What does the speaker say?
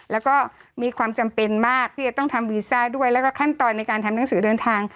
แล้วก็มีความจำเป็นมากที่จะต้องทำวีซ่าด้วยแล้วก็ขั้นตอนในการทำหนังสือเดินทาง